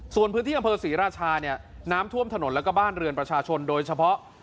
ส่วนพื้นที่อำเภอศรีราชาเนี่ยน้ำท่วมถนนแล้วก็บ้านเรือนประชาชนโดยเฉพาะ